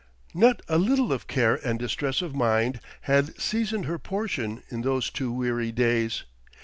Not a little of care and distress of mind had seasoned her portion in those two weary days.